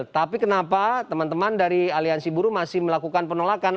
tapi kenapa teman teman dari aliansi buruh masih melakukan penolakan